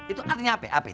itu artinya apa ya apa itu